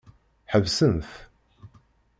Ḥebsem-t.